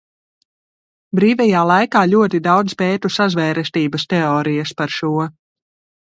Brīvajā laikā ļoti daudz pētu sazvērestības teorijas par šo.